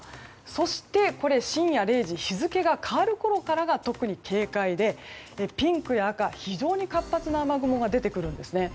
そして、深夜０時日付が変わるころから特に警戒でピンクや赤、非常に活発な雨雲が出てくるんですね。